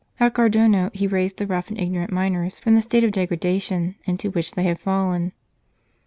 At Gardono he raised the rough and ignorant miners from the state of degradation into which they had fallen.